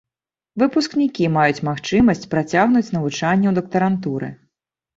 Выпускнікі маюць магчымасць працягнуць навучанне ў дактарантуры.